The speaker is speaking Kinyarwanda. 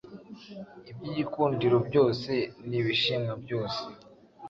iby’igikundiro byose, n’ibishimwa byose,